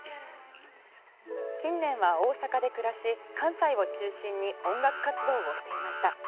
近年は大阪で暮らし関西を中心に音楽活動をしていました。